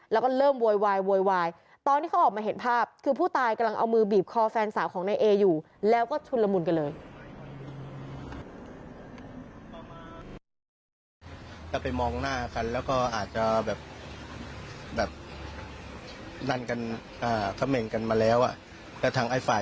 แล้วก็เริ่มโวยวายโวยวายตอนที่เขาออกมาเห็นภาพคือผู้ตายกำลังเอามือบีบคอแฟนสาวของนายเออยู่แล้วก็ชุนละมุนกันเลย